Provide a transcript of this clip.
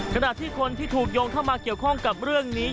ขณะที่คนที่ถูกโยงเข้ามาเกี่ยวข้องกับเรื่องนี้